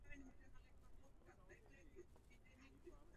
ikiwa ni vigumu kuyatekeleza yote kwa mpigo